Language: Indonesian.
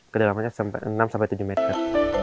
kedalamannya sampai enam sampai tujuh meter